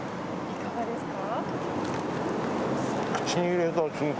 いかがですか。